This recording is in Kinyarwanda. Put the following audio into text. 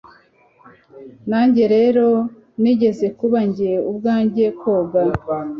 nanjye rero nigeze kuba njye ubwanjye koga